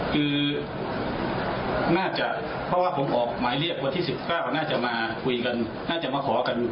คือน่าจะ